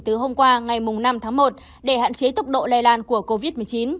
từ hôm qua ngày năm tháng một để hạn chế tốc độ lây lan của covid một mươi chín